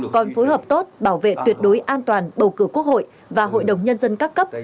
còn phối hợp tốt bảo vệ tuyệt đối an toàn bầu cử quốc hội và hội đồng nhân dân các cấp